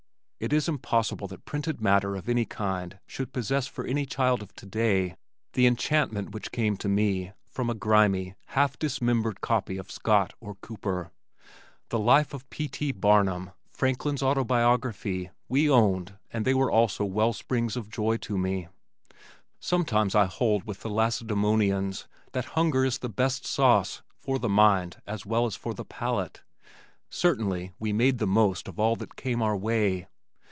It is impossible that printed matter of any kind should possess for any child of today the enchantment which came to me, from a grimy, half dismembered copy of Scott or Cooper. The Life of P. T. Barnum, Franklin's Autobiography we owned and they were also wellsprings of joy to me. Sometimes I hold with the Lacedemonians that "hunger is the best sauce" for the mind as well as for the palate. Certainly we made the most of all that came our way.